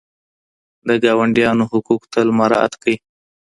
د ګاونډیانو حقوق تل مراعات کړئ.